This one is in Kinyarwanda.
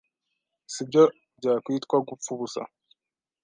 si byo byakwitwa gupfa ubusa.